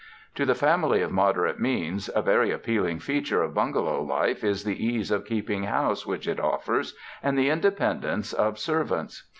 To the family of moderate means a very appeal ing feature of bungalow life is the ease of keeping house which it offers, and the independence of serv ants.